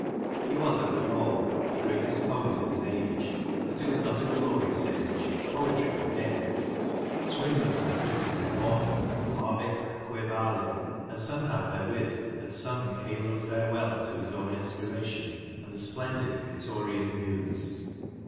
He was, after all, the greatest poet of his age; but it was not a glorious age. Poetry was dead. Swinburne had written the immortal " Ave Atque Vale," and somehow therewith had sung hail and farewell to his own inspiration and the splendid Victorian Muse.